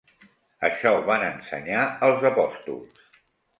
Això van ensenyar els apòstols.